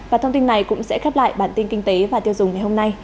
và thông tin này cũng sẽ khép lại bản tin kinh tế và tiêu dùng ngày hôm nay